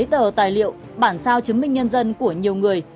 tờ tài liệu bản sao chứng minh nhân dân của nhiều người